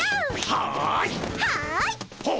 はい！